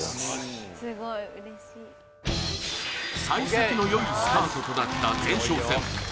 幸先のよいスタートとなった前哨戦